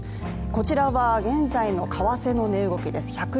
こちらは現在の為替の値動きです。